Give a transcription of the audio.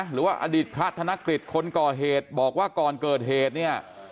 หรือว่าอดีตพระธนกฤษคนก่อเหตุบอกว่าก่อนเกิดเหตุเนี่ย